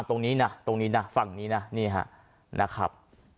ตรงนี้นะตรงนี้นะฝั่งนี้นะนี่ฮะนะครับ